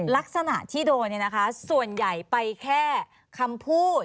ลักษณะที่โดนส่วนใหญ่ไปแค่คำพูด